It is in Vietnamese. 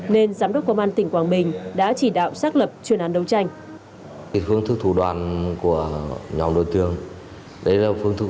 nên giám đốc công an tỉnh quảng bình đã chỉ đạo xác lập chuyên án đấu tranh